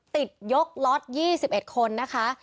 ติดยกล็อตยี่สิบเอ็ดคนนะคะ